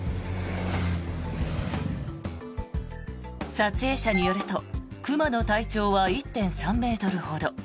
撮影者によると熊の体長は１．３ｍほど。